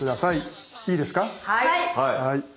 はい。